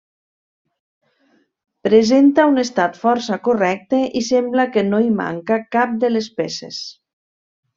Presenta un estat força correcte i sembla que no hi manca cap de les peces.